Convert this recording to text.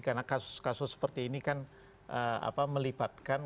karena kasus kasus seperti ini kan melibatkan